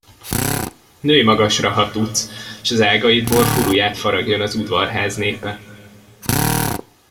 Nőj magasra, ha tudsz, s az ágaidból furulyát faragjon az udvarház népe!